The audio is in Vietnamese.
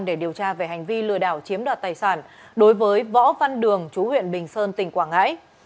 để điều tra về hành vi lừa đảo chiếm đoạt tài sản đối với võ văn đường chú huyện bình sơn tỉnh quảng ngãi